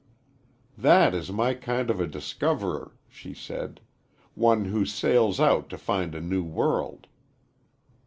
"That is my kind of a discoverer," she said; "one who sails out to find a new world."